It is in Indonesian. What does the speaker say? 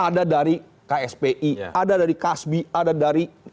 ada dari kspi ada dari kasbi ada dari